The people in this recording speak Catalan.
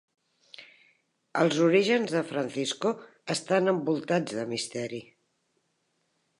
Els orígens de Francisco estan envoltats de misteri.